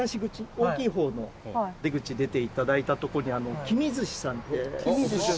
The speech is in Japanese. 大きい方の出口出ていただいたとこにきみ寿司さんって」